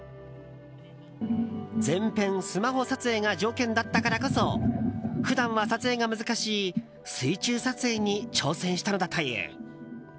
全編スマホ撮影が条件だったからこそ普段は撮影が難しい水中撮影に挑戦したのだという。